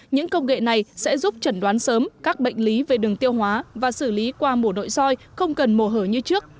những công nghệ này sẽ giúp trần đoán sớm các bệnh lý về đường tiêu hóa và xử lý qua mùa nội soi không cần mùa hở như trước